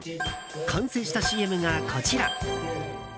完成したＣＭがこちら。